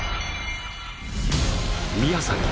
宮崎